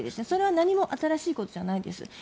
それは何も新しいことじゃないです。